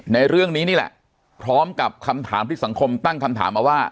ในเรื่องนี้นี่แหละพร้อมกับคำถามที่สังคมตั้งคำถามมาว่า